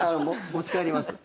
持ち帰ります。